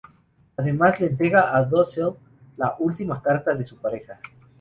Además, le entrega a Dussel la última carta de su pareja.